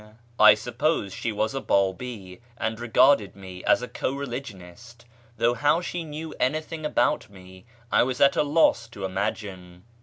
I suppose she was a Babi, and regarded me as a co religionist ; though how she knew anything about me I was at a loss to imagine.